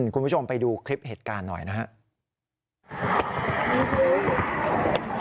คุณผู้ชมไปดูคลิปเหตุการณ์หน่อยนะครับ